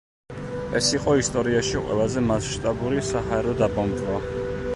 ეს იყო ისტორიაში ყველაზე მასშტაბური საჰაერო დაბომბვა.